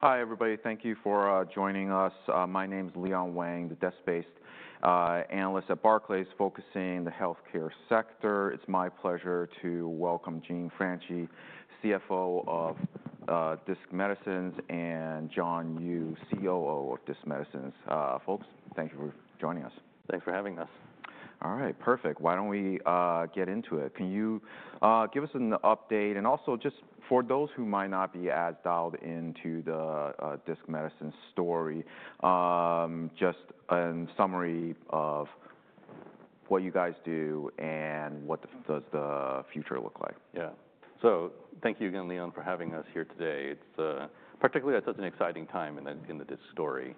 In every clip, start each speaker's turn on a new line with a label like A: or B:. A: Hi, everybody. Thank you for joining us. My name's Leon Wang, the desk-based analyst at Barclays focusing on the healthcare sector. It's my pleasure to welcome Jean Franchi, CFO of Disc Medicine, and John Yu, COO of Disc Medicine. Folks, thank you for joining us.
B: Thanks for having us.
A: All right, perfect. Why don't we get into it? Can you give us an update? Also, just for those who might not be as dialed into the Disc Medicine story, just a summary of what you guys do and what does the future look like?
B: Yeah. Thank you again, Leon, for having us here today. It is particularly such an exciting time in the Disc story.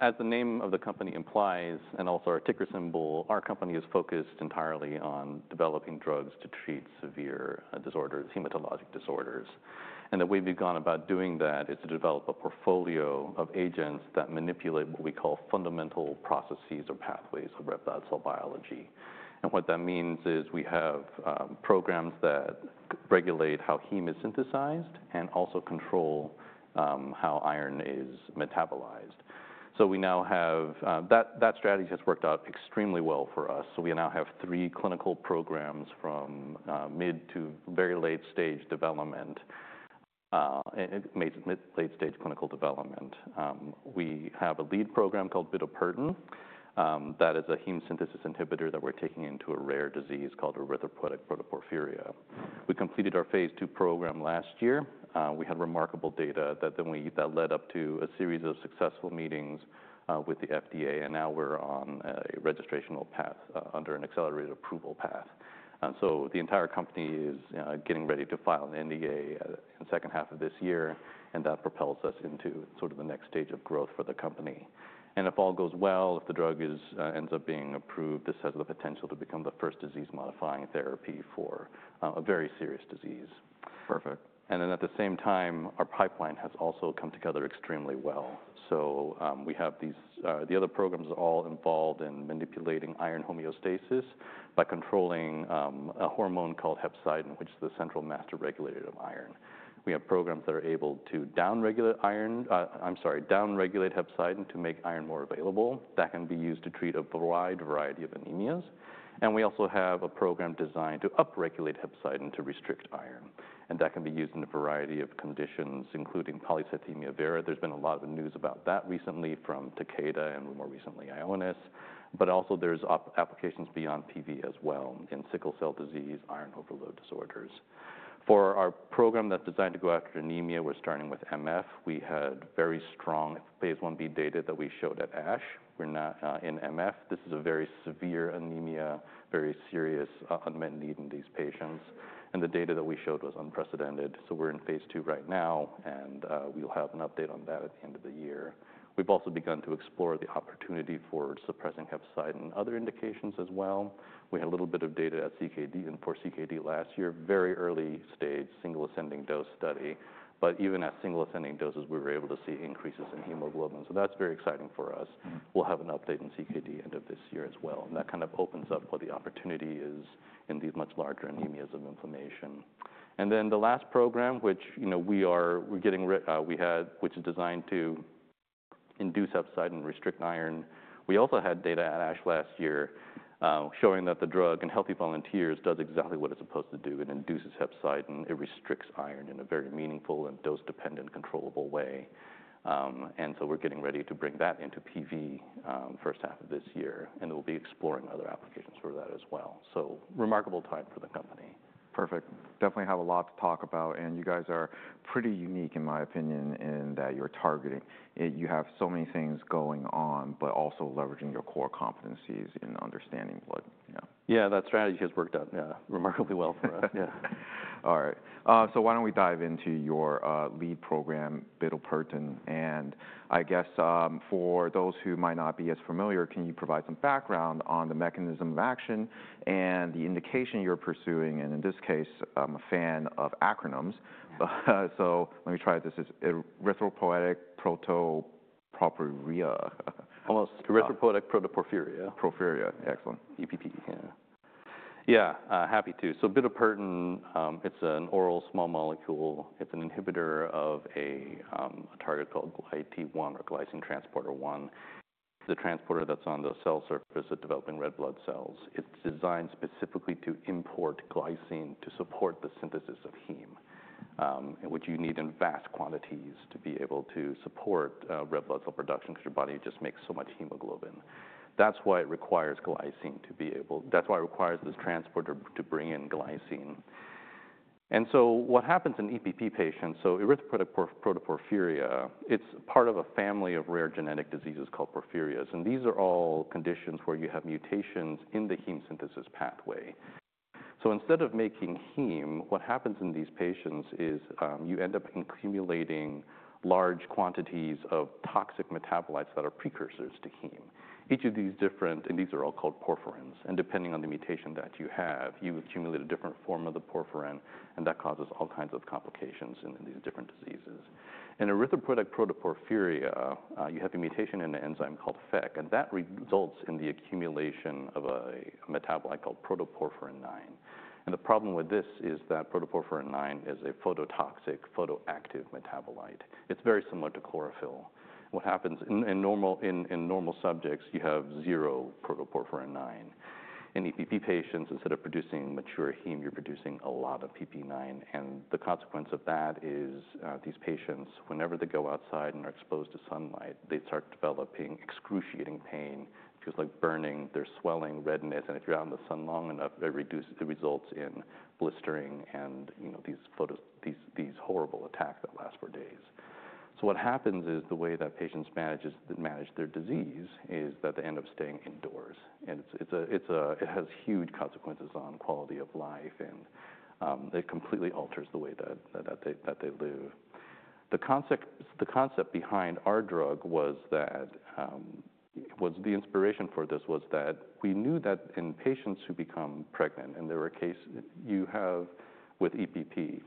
B: As the name of the company implies, and also our ticker symbol, our company is focused entirely on developing drugs to treat severe disorders, hematologic disorders. The way we have gone about doing that is to develop a portfolio of agents that manipulate what we call fundamental processes or pathways of red blood cell biology. What that means is we have programs that regulate how heme is synthesized and also control how iron is metabolized. That strategy has worked out extremely well for us. We now have three clinical programs from mid to very late-stage development, mid to late-stage clinical development. We have a lead program called bitopertin that is a heme synthesis inhibitor that we're taking into a rare disease called erythropoietic protoporphyria. We completed our phase two program last year. We had remarkable data that then led up to a series of successful meetings with the FDA. We are now on a registrational path under an accelerated approval path. The entire company is getting ready to file an NDA in the second half of this year. That propels us into sort of the next stage of growth for the company. If all goes well, if the drug ends up being approved, this has the potential to become the first disease-modifying therapy for a very serious disease.
A: Perfect.
B: At the same time, our pipeline has also come together extremely well. We have these other programs all involved in manipulating iron homeostasis by controlling a hormone called hepcidin, which is the central master regulator of iron. We have programs that are able to downregulate hepcidin to make iron more available. That can be used to treat a wide variety of anemias. We also have a program designed to upregulate hepcidin to restrict iron. That can be used in a variety of conditions, including polycythemia vera. There has been a lot of news about that recently from Takeda and more recently Ionis. There are applications beyond PV as well in sickle cell disease and iron overload disorders. For our program that is designed to go after anemia, we are starting with MF. We had very strong phase one B data that we showed at ASH. We're now in MF. This is a very severe anemia, very serious unmet need in these patients. The data that we showed was unprecedented. We're in phase two right now. We'll have an update on that at the end of the year. We've also begun to explore the opportunity for suppressing hepcidin in other indications as well. We had a little bit of data in CKD and for CKD last year, very early stage, single ascending dose study. Even at single ascending doses, we were able to see increases in hemoglobin. That's very exciting for us. We'll have an update in CKD end of this year as well. That kind of opens up what the opportunity is in these much larger anemias of inflammation. The last program, which we are getting, which is designed to induce hepcidin and restrict iron. We also had data at ASH last year showing that the drug in healthy volunteers does exactly what it's supposed to do. It induces hepcidin. It restricts iron in a very meaningful and dose-dependent, controllable way. We are getting ready to bring that into PV first half of this year. We will be exploring other applications for that as well. Remarkable time for the company.
A: Perfect. Definitely have a lot to talk about. You guys are pretty unique, in my opinion, in that you're targeting. You have so many things going on, but also leveraging your core competencies in understanding blood.
B: Yeah, that strategy has worked out remarkably well for us.
A: Yeah. All right. Why don't we dive into your lead program, bitopertin? I guess for those who might not be as familiar, can you provide some background on the mechanism of action and the indication you're pursuing? In this case, I'm a fan of acronyms. Let me try this. It's erythropoietic protoporphyria.
B: Almost erythropoietic protoporphyria.
A: Porphyria. Excellent.
B: EPP.
A: Yeah.
B: Yeah, happy to. So bitopertin, it's an oral small molecule. It's an inhibitor of a target called GlyT1 or glycine transporter 1, the transporter that's on the cell surface of developing red blood cells. It's designed specifically to import glycine to support the synthesis of heme, which you need in vast quantities to be able to support red blood cell production because your body just makes so much hemoglobin. That's why it requires glycine to be able—that's why it requires this transporter to bring in glycine. What happens in EPP patients? Erythropoietic protoporphyria, it's part of a family of rare genetic diseases called porphyrias. These are all conditions where you have mutations in the heme synthesis pathway. Instead of making heme, what happens in these patients is you end up accumulating large quantities of toxic metabolites that are precursors to heme. Each of these different—and these are all called porphyrins. Depending on the mutation that you have, you accumulate a different form of the porphyrin. That causes all kinds of complications in these different diseases. In erythropoietic protoporphyria, you have a mutation in an enzyme called FECH, and that results in the accumulation of a metabolite called protoporphyrin IX. The problem with this is that protoporphyrin IX is a phototoxic, photoactive metabolite. It's very similar to chlorophyll. What happens in normal subjects, you have zero protoporphyrin IX. In EPP patients, instead of producing mature heme, you're producing a lot of PPIX. The consequence of that is these patients, whenever they go outside and are exposed to sunlight, they start developing excruciating pain. It feels like burning. There's swelling, redness. If you're out in the sun long enough, it results in blistering and these horrible attacks that last for days. What happens is the way that patients manage their disease is that they end up staying indoors. It has huge consequences on quality of life. It completely alters the way that they live. The concept behind our drug was that the inspiration for this was that we knew that in patients who become pregnant, and there were cases you have with EPP,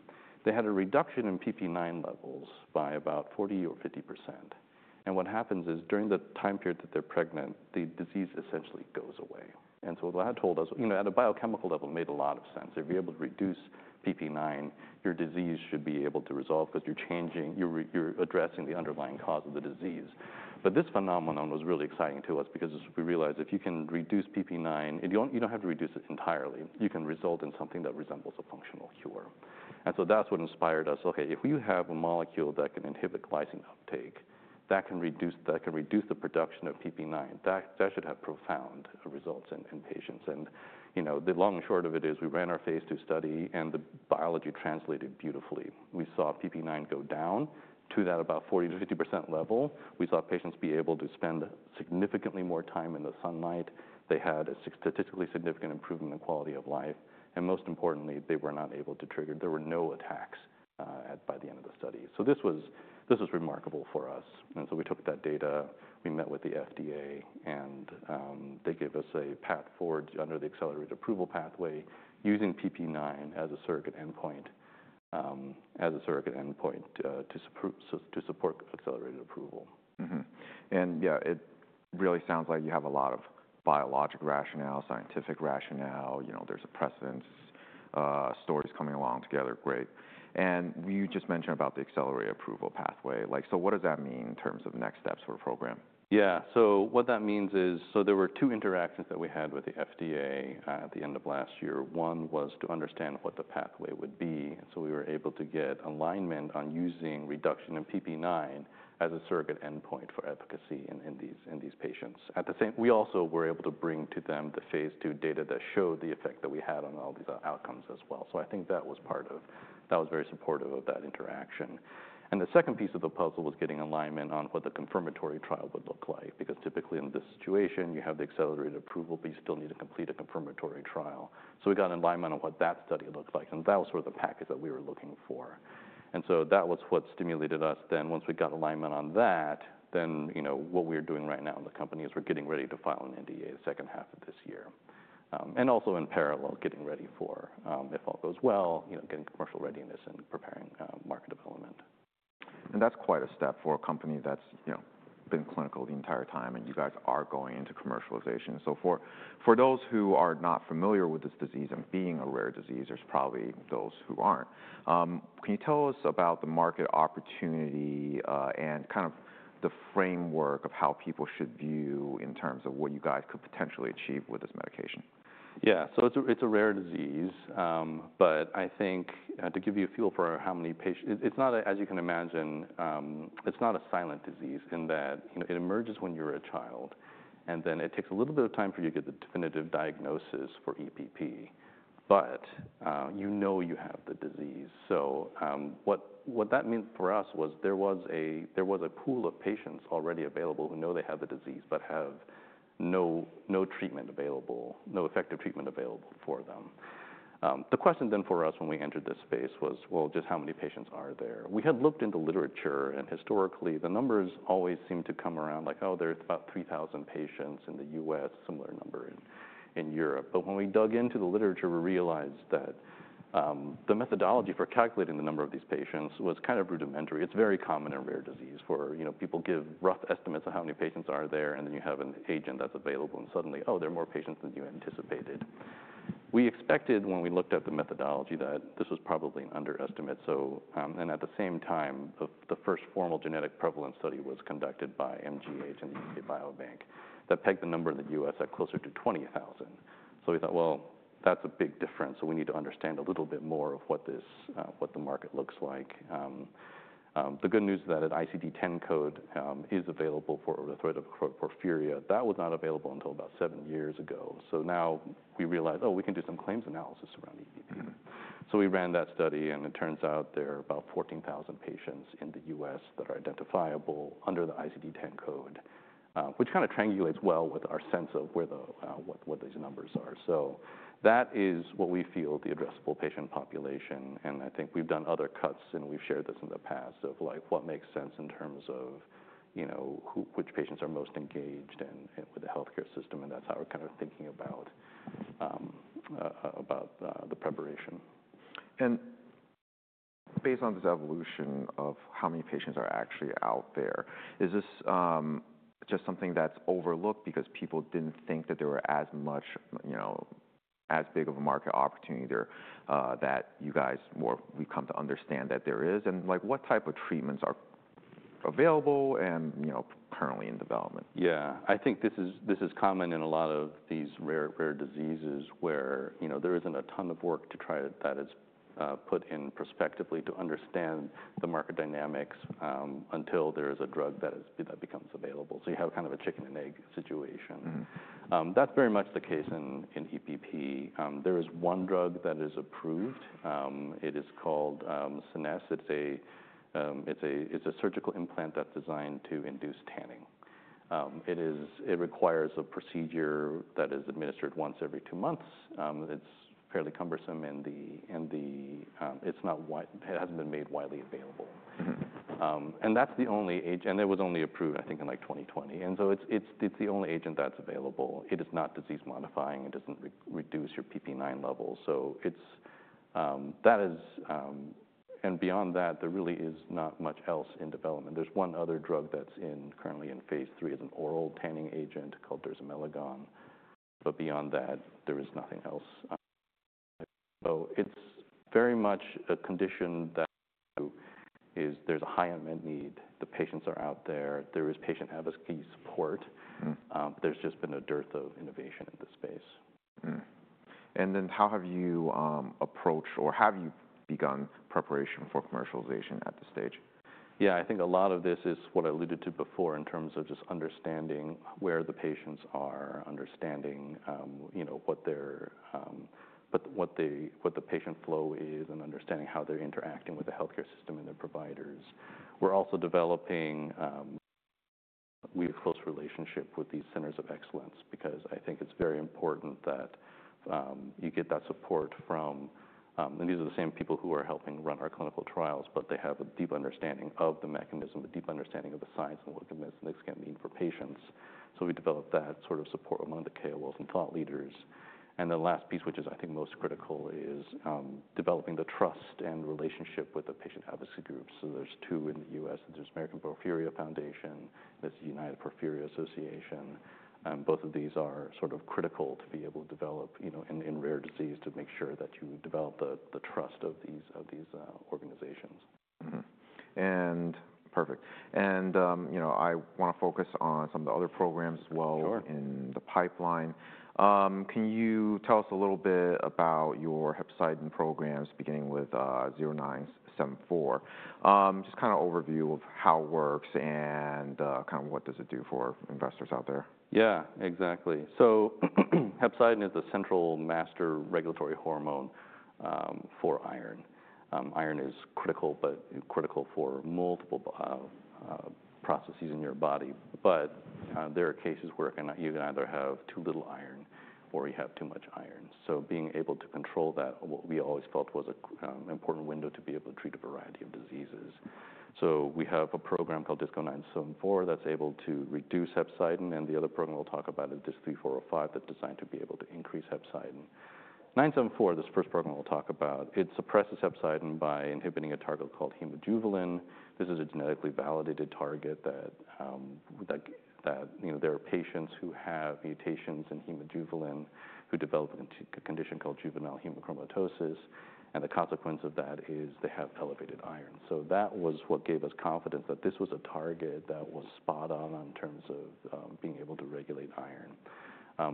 B: they had a reduction in PPIX levels by about 40% or 50%. What happens is during the time period that they're pregnant, the disease essentially goes away. What that told us, you know, at a biochemical level, made a lot of sense. If you're able to reduce PPIX, your disease should be able to resolve because you're changing, you're addressing the underlying cause of the disease. This phenomenon was really exciting to us because we realized if you can reduce PPIX, you don't have to reduce it entirely. You can result in something that resembles a functional cure. That's what inspired us. Okay, if we have a molecule that can inhibit glycine uptake, that can reduce the production of PPIX, that should have profound results in patients. The long and short of it is we ran our phase two study, and the biology translated beautifully. We saw PPIX go down to that about 40-50% level. We saw patients be able to spend significantly more time in the sunlight. They had a statistically significant improvement in quality of life. Most importantly, they were not able to trigger—there were no attacks by the end of the study. This was remarkable for us. We took that data, we met with the FDA, and they gave us a path forward under the accelerated approval pathway using PPIX as a surrogate endpoint to support accelerated approval.
A: Yeah, it really sounds like you have a lot of biologic rationale, scientific rationale. There is a precedence, stories coming along together. Great. You just mentioned about the accelerated approval pathway. What does that mean in terms of next steps for a program?
B: Yeah. What that means is there were two interactions that we had with the FDA at the end of last year. One was to understand what the pathway would be. We were able to get alignment on using reduction in PPIX as a surrogate endpoint for efficacy in these patients. We also were able to bring to them the phase two data that showed the effect that we had on all these outcomes as well. I think that was very supportive of that interaction. The second piece of the puzzle was getting alignment on what the confirmatory trial would look like because typically in this situation, you have the accelerated approval, but you still need to complete a confirmatory trial. We got alignment on what that study looked like. That was the package that we were looking for. That was what stimulated us. Once we got alignment on that, what we are doing right now in the company is we're getting ready to file an NDA the second half of this year. Also in parallel, getting ready for, if all goes well, getting commercial readiness and preparing market development.
A: That is quite a step for a company that has been clinical the entire time. You guys are going into commercialization. For those who are not familiar with this disease, and being a rare disease, there are probably those who are not. Can you tell us about the market opportunity and kind of the framework of how people should view in terms of what you guys could potentially achieve with this medication?
B: Yeah. It is a rare disease. I think to give you a feel for how many patients—it is not, as you can imagine, it is not a silent disease in that it emerges when you are a child. It takes a little bit of time for you to get the definitive diagnosis for EPP. You know you have the disease. What that meant for us was there was a pool of patients already available who know they have the disease but have no treatment available, no effective treatment available for them. The question for us when we entered this space was, just how many patients are there? We had looked into literature. Historically, the numbers always seem to come around like, oh, there are about 3,000 patients in the U.S., similar number in Europe. When we dug into the literature, we realized that the methodology for calculating the number of these patients was kind of rudimentary. It's very common in rare disease. People give rough estimates of how many patients are there. You have an agent that's available. Suddenly, there are more patients than you anticipated. We expected when we looked at the methodology that this was probably an underestimate. At the same time, the first formal genetic prevalence study was conducted by MGH and the Biobank that pegged the number in the U.S. at closer to 20,000. We thought, that's a big difference. We need to understand a little bit more of what the market looks like. The good news is that an ICD-10 code is available for erythropoietic protoporphyria. That was not available until about seven years ago. Now we realized, oh, we can do some claims analysis around EPP. We ran that study. It turns out there are about 14,000 patients in the U.S. that are identifiable under the ICD-10 code, which kind of triangulates well with our sense of what these numbers are. That is what we feel the addressable patient population is. I think we've done other cuts. We've shared this in the past of what makes sense in terms of which patients are most engaged with the health care system. That's how we're kind of thinking about the preparation.
A: Based on this evolution of how many patients are actually out there, is this just something that's overlooked because people didn't think that there was as big of a market opportunity there that you guys more have come to understand that there is? What type of treatments are available and currently in development?
B: Yeah. I think this is common in a lot of these rare diseases where there isn't a ton of work to try that is put in prospectively to understand the market dynamics until there is a drug that becomes available. You have kind of a chicken and egg situation. That's very much the case in EPP. There is one drug that is approved. It is called Scenesse. It's a surgical implant that's designed to induce tanning. It requires a procedure that is administered once every two months. It's fairly cumbersome. It hasn't been made widely available. That's the only agent. It was only approved, I think, in like 2020. It's the only agent that's available. It is not disease modifying. It doesn't reduce your PPIX level. Beyond that, there really is not much else in development. is one other drug that is currently in phase three as an oral tanning agent called dersimelagon. Beyond that, there is nothing else. It is very much a condition that has a high unmet need. The patients are out there. There is patient advocacy support. There has just been a dearth of innovation in this space.
A: How have you approached or have you begun preparation for commercialization at this stage?
B: Yeah. I think a lot of this is what I alluded to before in terms of just understanding where the patients are, understanding what the patient flow is, and understanding how they're interacting with the health care system and their providers. We're also developing a close relationship with these centers of excellence because I think it's very important that you get that support from, and these are the same people who are helping run our clinical trials, but they have a deep understanding of the mechanism, a deep understanding of the science and what the medicines can mean for patients. We develop that sort of support among the KOLs and thought leaders. The last piece, which is, I think, most critical, is developing the trust and relationship with the patient advocacy groups. There's two in the U.S. There's American Porphyria Foundation. There's the United Porphyria Association. Both of these are sort of critical to be able to develop in rare disease to make sure that you develop the trust of these organizations.
A: Perfect. I want to focus on some of the other programs as well in the pipeline. Can you tell us a little bit about your hepcidin programs, beginning with 0974? Just kind of overview of how it works and kind of what does it do for investors out there?
B: Yeah, exactly. Hepcidin is the central master regulatory hormone for iron. Iron is critical, but critical for multiple processes in your body. There are cases where you can either have too little iron or you have too much iron. Being able to control that, what we always felt was an important window to be able to treat a variety of diseases. We have a program called DISC-0974 that's able to reduce hepcidin. The other program we'll talk about is DISC-3405 that's designed to be able to increase hepcidin. 0974, this first program we'll talk about, it suppresses hepcidin by inhibiting a target called hemojuvelin. This is a genetically validated target that there are patients who have mutations in hemojuvelin who develop a condition called juvenile hemochromatosis. The consequence of that is they have elevated iron. That was what gave us confidence that this was a target that was spot on in terms of being able to regulate iron.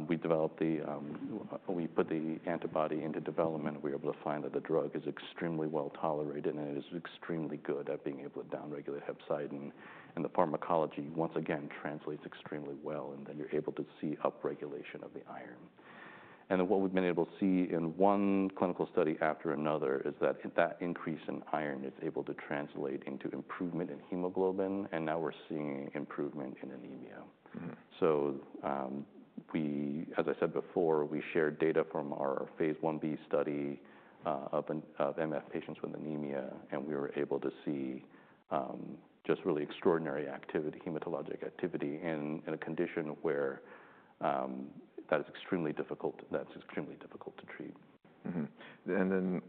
B: We put the antibody into development. We were able to find that the drug is extremely well tolerated. It is extremely good at being able to downregulate hepcidin. The pharmacology, once again, translates extremely well. You are able to see upregulation of the iron. What we have been able to see in one clinical study after another is that that increase in iron is able to translate into improvement in hemoglobin. Now we are seeing improvement in anemia. As I said before, we shared data from our Phase 1b study of MF patients with anemia. We were able to see just really extraordinary hematologic activity in a condition where that is extremely difficult to treat.
A: In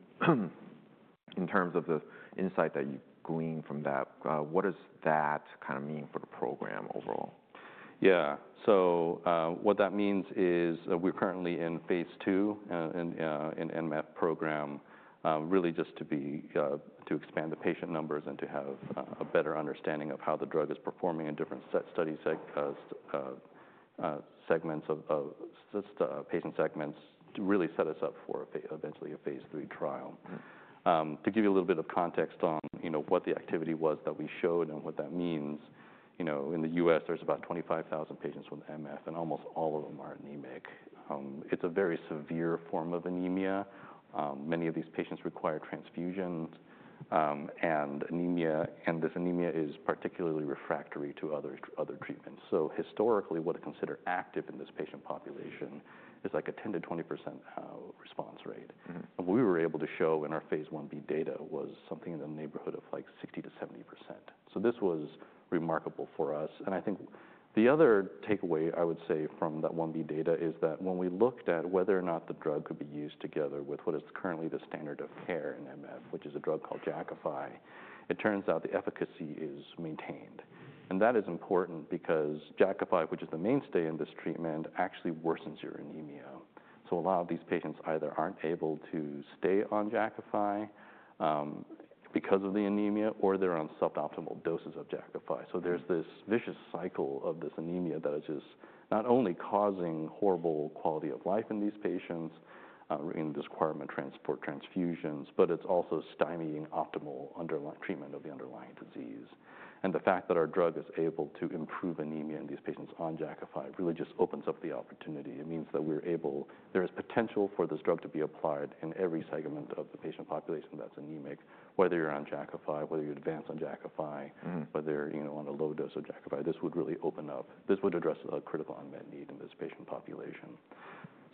A: terms of the insight that you glean from that, what does that kind of mean for the program overall?
B: Yeah. So what that means is we're currently in Phase II in the MF program, really just to expand the patient numbers and to have a better understanding of how the drug is performing in different study segments, patient segments, to really set us up for eventually a phase three trial. To give you a little bit of context on what the activity was that we showed and what that means, in the U.S., there's about 25,000 patients with MF. And almost all of them are anemic. It's a very severe form of anemia. Many of these patients require transfusions. This anemia is particularly refractory to other treatments. Historically, what to consider active in this patient population is like a 10%-20% response rate. What we were able to show in our Phase 1b data was something in the neighborhood of like 60%-70%. This was remarkable for us. I think the other takeaway, I would say, from that 1B data is that when we looked at whether or not the drug could be used together with what is currently the standard of care in MF, which is a drug called Jakafi, it turns out the efficacy is maintained. That is important because Jakafi, which is the mainstay in this treatment, actually worsens your anemia. A lot of these patients either are not able to stay on Jakafi because of the anemia or they are on suboptimal doses of Jakafi. There is this vicious cycle of this anemia that is just not only causing horrible quality of life in these patients, this requirement of transport transfusions, but it is also stymieing optimal treatment of the underlying disease. The fact that our drug is able to improve anemia in these patients on Jakafi really just opens up the opportunity. It means that we're able, there is potential for this drug to be applied in every segment of the patient population that's anemic, whether you're on Jakafi, whether you advance on Jakafi, whether you're on a low dose of Jakafi. This would really open up, this would address a critical unmet need in this patient population.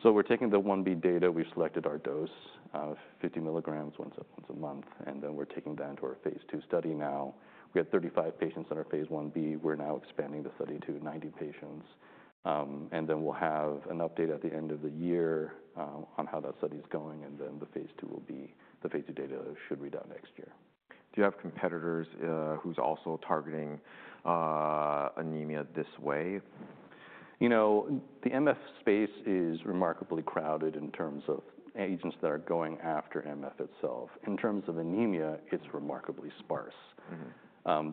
B: We are taking the 1B data. We selected our dose, 50 mg once a month. We are taking that into our phase two study now. We had 35 patients in our Phase 1b. We are now expanding the study to 90 patients. We will have an update at the end of the year on how that study is going. The phase two data should read out next year.
A: Do you have competitors who's also targeting anemia this way?
B: You know, the MF space is remarkably crowded in terms of agents that are going after MF itself. In terms of anemia, it's remarkably sparse.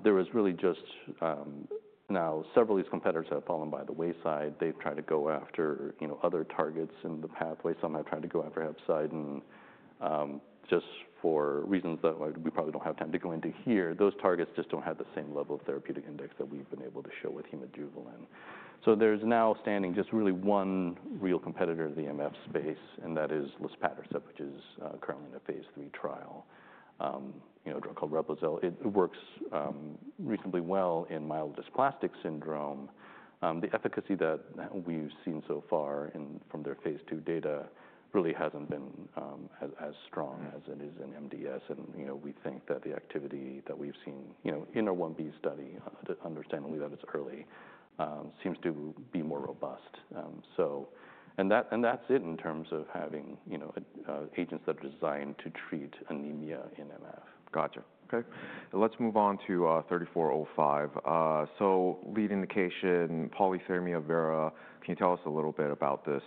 B: There was really just now several of these competitors have fallen by the wayside. They've tried to go after other targets in the pathway. Some have tried to go after hepcidin just for reasons that we probably don't have time to go into here. Those targets just don't have the same level of therapeutic index that we've been able to show with hemojuvelin. There is now standing just really one real competitor in the MF space. That is luspatercept, which is currently in a phase three trial, a drug called Reblozyl. It works reasonably well in myelodysplastic syndrome. The efficacy that we've seen so far from their phase two data really hasn't been as strong as it is in MDS. We think that the activity that we've seen in our 1B study, understandably that it's early, seems to be more robust. That's it in terms of having agents that are designed to treat anemia in MF.
A: Gotcha. OK. Let's move on to 3405. Lead indication, polycythemia vera. Can you tell us a little bit about this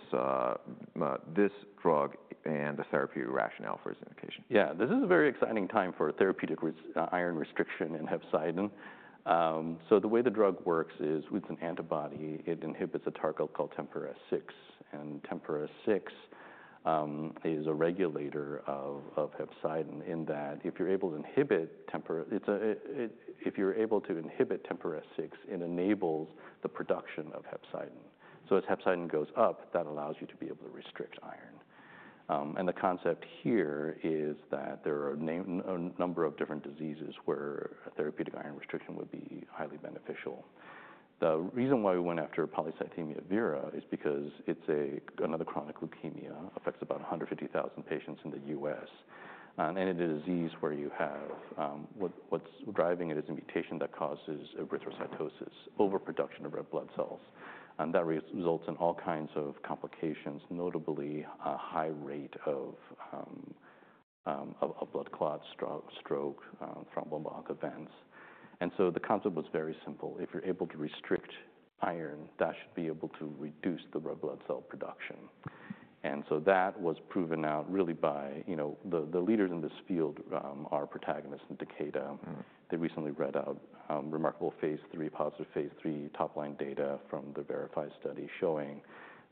A: drug and the therapeutic rationale for its indication?
B: Yeah. This is a very exciting time for therapeutic iron restriction in hepcidin. The way the drug works is it's an antibody. It inhibits a target called TMPRSS6. TMPRSS6 is a regulator of hepcidin in that if you're able to inhibit TMPRSS6, it enables the production of hepcidin. As hepcidin goes up, that allows you to be able to restrict iron. The concept here is that there are a number of different diseases where therapeutic iron restriction would be highly beneficial. The reason why we went after polycythemia vera is because it's another chronic leukemia. It affects about 150,000 patients in the U.S. It is a disease where what's driving it is a mutation that causes erythrocytosis, overproduction of red blood cells. That results in all kinds of complications, notably a high rate of blood clots, stroke, thromboembolic events. The concept was very simple. If you're able to restrict iron, that should be able to reduce the red blood cell production. That was proven out really by the leaders in this field, our Protagonist and Takeda. They recently read out remarkable positive phase three top-line data from the Verify study showing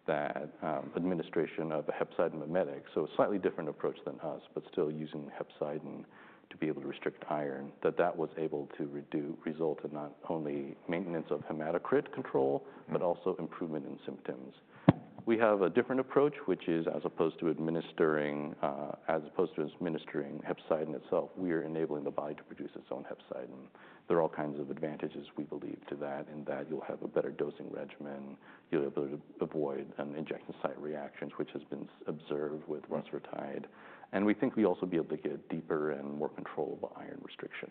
B: that administration of a hepcidin mimetic, so a slightly different approach than us, but still using hepcidin to be able to restrict iron, that that was able to result in not only maintenance of hematocrit control, but also improvement in symptoms. We have a different approach, which is as opposed to administering hepcidin itself, we are enabling the body to produce its own hepcidin. There are all kinds of advantages, we believe, to that, in that you'll have a better dosing regimen. You'll be able to avoid injection site reactions, which has been observed with rusfertide. We think we also will be able to get deeper and more controllable iron restriction.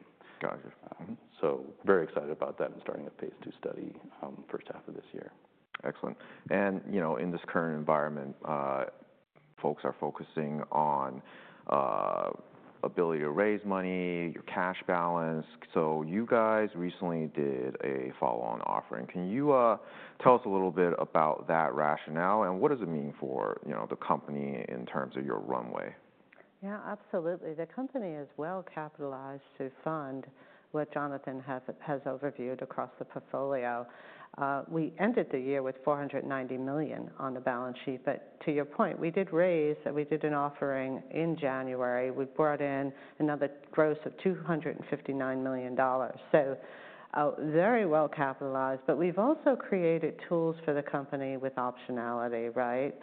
B: Very excited about that and starting a phase two study first half of this year.
A: Excellent. In this current environment, folks are focusing on ability to raise money, your cash balance. You guys recently did a follow-on offering. Can you tell us a little bit about that rationale? What does it mean for the company in terms of your runway?
C: Yeah, absolutely. The company is well capitalized to fund what Jonathan has overviewed across the portfolio. We ended the year with $490 million on the balance sheet. To your point, we did raise, and we did an offering in January. We brought in another gross of $259 million. Very well capitalized. We have also created tools for the company with optionality, right?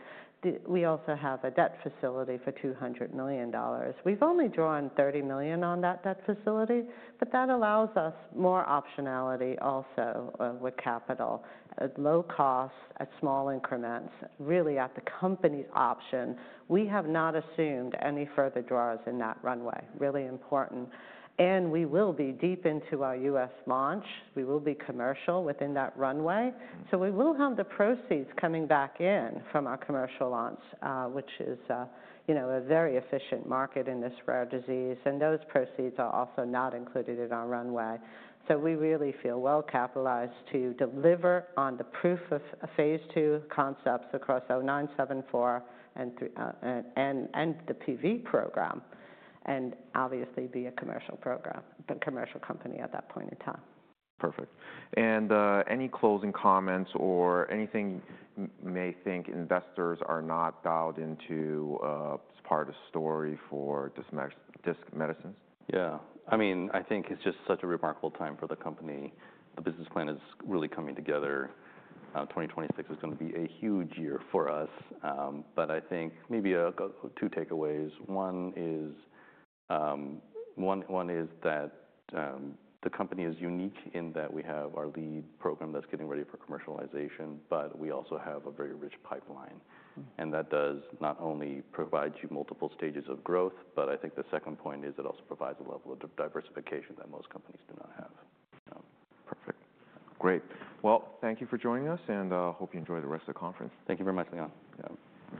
C: We also have a debt facility for $200 million. We have only drawn $30 million on that debt facility. That allows us more optionality also with capital, at low cost, at small increments, really at the company's option. We have not assumed any further draws in that runway. Really important. We will be deep into our U.S. launch. We will be commercial within that runway. We will have the proceeds coming back in from our commercial launch, which is a very efficient market in this rare disease. Those proceeds are also not included in our runway. We really feel well capitalized to deliver on the proof of phase two concepts across 0974 and the PV program, and obviously be a commercial company at that point in time.
A: Perfect. Any closing comments or anything you may think investors are not dialed into as part of the story for Disc Medicine?
B: Yeah. I mean, I think it's just such a remarkable time for the company. The business plan is really coming together. 2026 is going to be a huge year for us. I think maybe two takeaways. One is that the company is unique in that we have our lead program that's getting ready for commercialization. We also have a very rich pipeline. That does not only provide you multiple stages of growth. I think the second point is it also provides a level of diversification that most companies do not have.
A: Perfect. Great. Thank you for joining us. I hope you enjoy the rest of the conference.
B: Thank you very much, Leon.
A: Yeah.